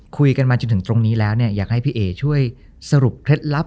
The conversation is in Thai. คุยกันมาจนถึงตรงนี้แล้วเนี่ยอยากให้พี่เอ๋ช่วยสรุปเคล็ดลับ